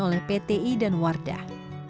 oleh pti dan wardah